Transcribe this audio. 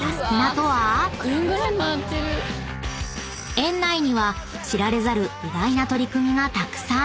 ［園内には知られざる意外な取り組みがたくさん！］